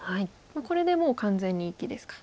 これでもう完全に生きですか。